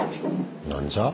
何じゃ？